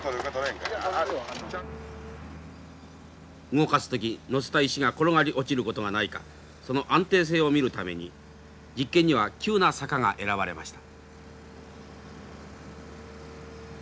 動かす時載せた石が転がり落ちることがないかその安定性を見るために実験には急な坂が選ばれました。